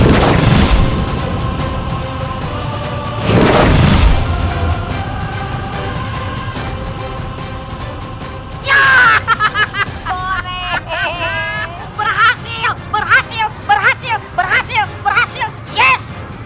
ya berhasil berhasil berhasil berhasil berhasil yes